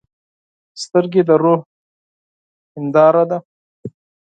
سترګې د روح هنداره ده.